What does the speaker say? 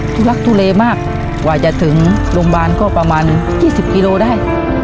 ทุลักทุเลมากกว่าจะถึงโรงพยาบาลก็ประมาณ๒๐กิโลได้